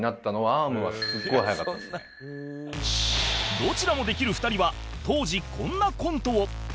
どちらもできる２人は当時こんなコントを